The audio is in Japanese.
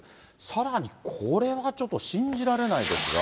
さらに、これはちょっと信じられないですが。